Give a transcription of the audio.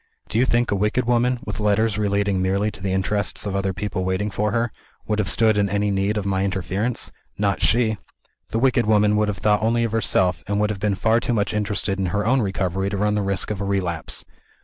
Do you think a wicked woman with letters relating merely to the interests of other people waiting for her would have stood in any need of my interference? Not she! The wicked woman would have thought only of herself, and would have been far too much interested in her own recovery to run the risk of a relapse.